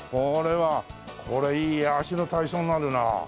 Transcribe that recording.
これはいい足の体操になるな。